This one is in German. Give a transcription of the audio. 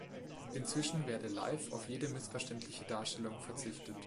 Inzwischen werde live auf jede missverständliche Darstellung verzichtet.